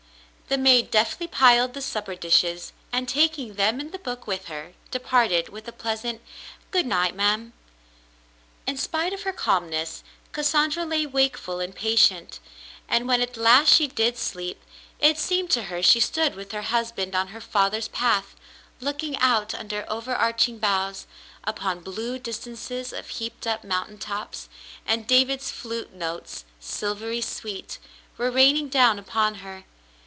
The maid deftly piled the supper dishes and, taking them and the book with her, departed with a pleasant "Good night, ma'm." In spite of her calmness, Cassandra lay wakeful and patient, and when at last she did sleep, it seemed to her she stood with her husband on her father's path, looking out under overarching boughs, upon blue distances of heaped up mountain tops, and David's flute notes, silvery sweet, were raining down upon her.